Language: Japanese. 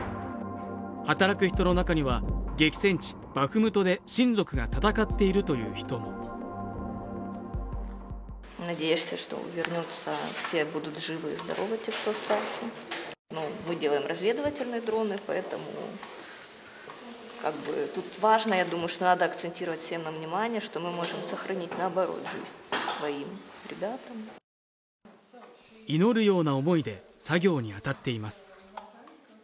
働く人の中には激戦地バフムトで親族が戦っているという人も祈るような思いで作業にあたっています